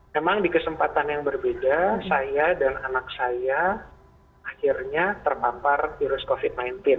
memang di kesempatan yang berbeda saya dan anak saya akhirnya terpapar virus covid sembilan belas